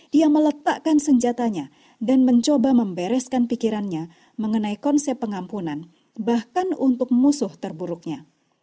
dia meletakkan senjatanya dan mencoba membereskan pikirannya mengenai konsep pengampunan bahkan untuk musuh terburuknya